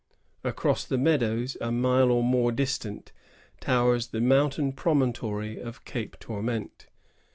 Across the meadows, a mile or more distant, towers, the moun tain promontory of Cape Tourmente.